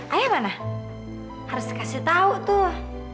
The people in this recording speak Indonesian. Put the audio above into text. ayo mana harus kasih tahu tuh